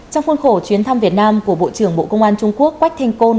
trong khuôn khổ chuyến thăm việt nam của bộ trưởng bộ công an trung quốc quách thanh côn